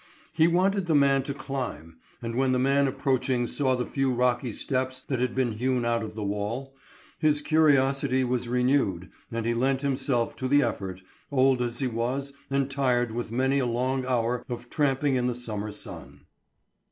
He wanted the man to climb, and when the man approaching saw the few rocky steps that had been hewn out of the wall, his curiosity was renewed and he lent himself to the effort, old as he was and tired with many a long hour of tramping in the summer sun.